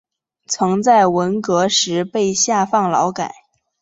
曾在文革时被下放劳改。